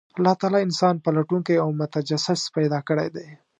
الله تعالی انسان پلټونکی او متجسس پیدا کړی دی،